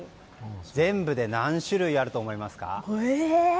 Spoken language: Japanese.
全部で何種類あると思いますか？